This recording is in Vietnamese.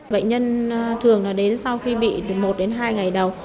bệnh nhân thường đến sau khi bị từ một đến hai ngày đầu